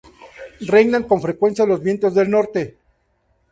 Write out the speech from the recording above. Reinan con frecuencia los vientos del norte.